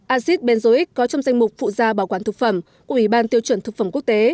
acid benzoic có trong danh mục phụ gia bảo quản thực phẩm của ủy ban tiêu chuẩn thực phẩm quốc tế